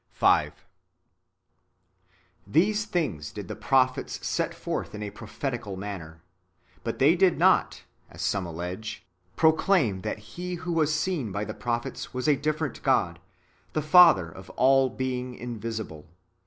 5. These things did the prophets set forth in a prophetical manner ; but they did not, as some allege, [proclaim] that He who was seen by the prophets was a different [God], the Father of all being invisible.